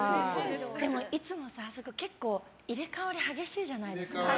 いつも結構入れ替わり激しいじゃないですか。